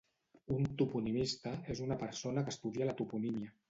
Un "toponimista" és una persona que estudia la toponímia.